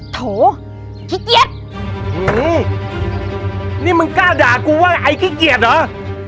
โถขี้เกียจนี่มึงกล้าด่ากูว่าไอ้ขี้เกียจเหรอ